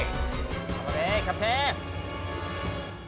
頑張れキャプテン！